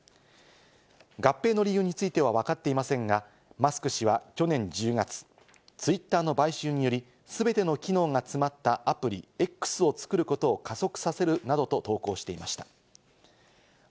合併の理由については分かっていませんがマスク氏は去年１０月、ツイッターの買収により、すべての機能が集まったアプリ「Ｘ」を作ることを加速させるなどと投稿していました。